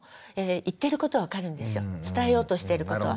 伝えようとしてることは。